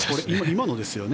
今のですよね。